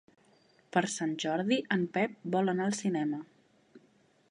Per Sant Jordi en Pep vol anar al cinema.